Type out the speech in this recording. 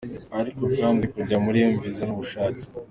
Ariko kandi kujya muri mVisa ni ubushake.